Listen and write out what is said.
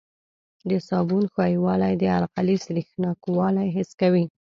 د صابون ښویوالی د القلي سریښناکوالی حس کوي.